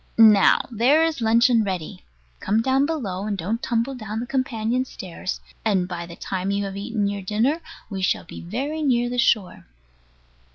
Now there is luncheon ready. Come down below, and don't tumble down the companion stairs; and by the time you have eaten your dinner we shall be very near the shore.